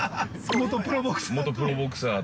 ◆元プロボクサー。